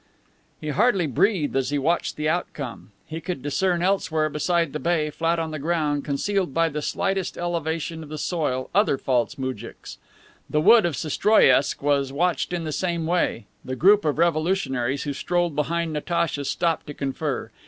He hardly breathed as he watched the outcome. He could discern elsewhere, beside the bay, flat on the ground, concealed by the slightest elevation of the soil, other false moujiks. The wood of Sestroriesk was watched in the same way. The group of revolutionaries who strolled behind Natacha stopped to confer.